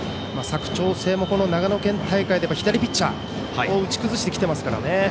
佐久長聖も長野県大会では左ピッチャーを打ち崩してきていますから。